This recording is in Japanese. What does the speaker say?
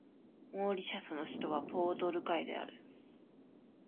モーリシャスの首都はポートルイスである